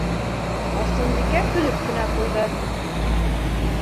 Барсынбикә көлөп кенә ҡуйҙы: